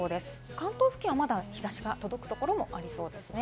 関東付近はまだ日差しが届くところもありそうです。